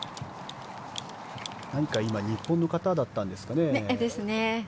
何か今日本の方だったんですかね。ですね。